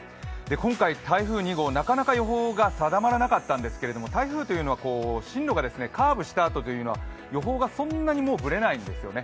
今回、台風２号なかなか予報が定まらなかったんですけれども台風というのは進路がカーブしたあとというのは予報がそんなにブレないんですね。